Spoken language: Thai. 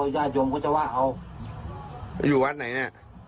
อยู่วัดไหนนี่